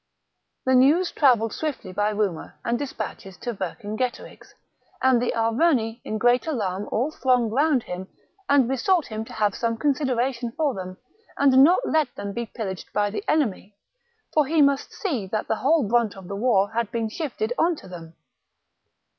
The news travelled swiftly by rumour • and dispatches to Vercingetorix ; and the Arverni in great alarm all thronged round him and besought him to have some consideration for them and not let them be pillaged by the enemy, for he must see that the whole brunt of the war had been shifted on to them.